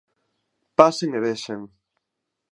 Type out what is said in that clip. Pasen e vexan!